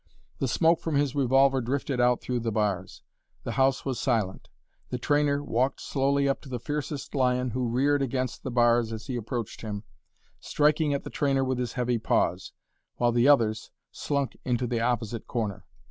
The smoke from his revolver drifted out through the bars; the house was silent. The trainer walked slowly up to the fiercest lion, who reared against the bars as he approached him, striking at the trainer with his heavy paws, while the others slunk into the opposite corner.